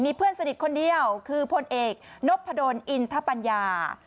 เพื่อนสนิทคนเดียวคือพลเอกนพดลอินทปัญญา